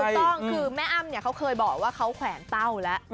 ถูกต้องคือแม่อ้ำเนี่ยเขาเคยบอกว่าเขาแขวนเต้าแล้ว